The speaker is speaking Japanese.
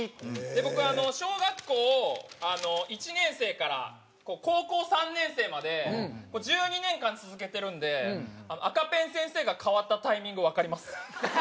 僕は小学校１年生から高校３年生まで１２年間続けてるんで赤ペン先生が変わったタイミングわかります。